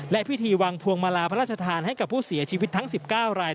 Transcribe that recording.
และพิธีวางพวงมาลาพระราชทานให้กับผู้เสียชีวิตทั้ง๑๙ราย